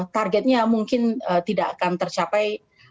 targetnya mungkin tidak akan tercapai